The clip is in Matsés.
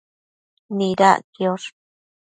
Nidac quiosh